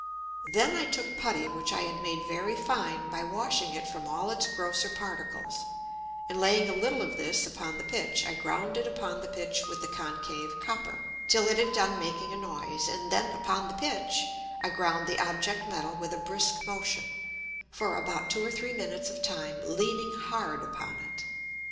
Then I took Putty which I had made very fine by washing it from all its grosser Particles, and laying a little of this upon the Pitch, I ground it upon the Pitch with the concave Copper, till it had done making a Noise; and then upon the Pitch I ground the Object Metal with a brisk motion, for about two or three Minutes of time, leaning hard upon it.